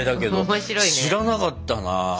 知らなかった？